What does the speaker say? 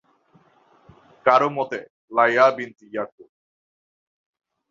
কারও মতে, লায়্যা বিনত ইয়াকূব।